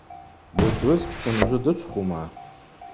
Гӏвычӏвгӏвысчкӏвын ужвы дычвхума?